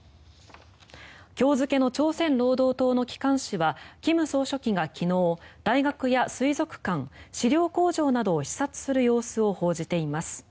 今日付の朝鮮労働党の機関紙は金総書記が昨日大学や水族館飼料工場などを視察する様子を報じています。